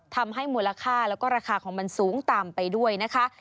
ทำให้มูลค่าแล้วก็ราคาของมันสูงตามไปด้วยนะคะ